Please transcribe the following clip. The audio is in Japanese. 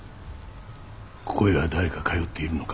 ここへは誰か通っているのか？